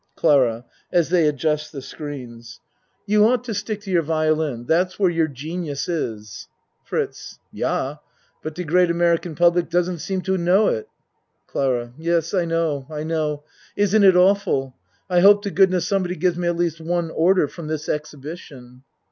CLARA (As they adjust the screens.) You 52 A MAN'S WORLD ought to stick to your violin. That's where your genius is. FRITZ Yah. But de great American public doesn't seem to know it. CLARA Yes I know I know. Isn't it awful? I hope to goodness somebody gives me at least one order from this exhibition.